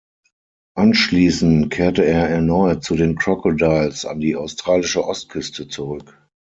Anschließend kehrte er erneut zu den Crocodiles an die australische Ostküste zurück.